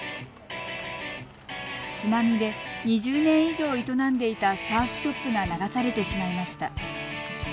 津波で２０年以上、営んでいたサーフショップが流されてしまいました。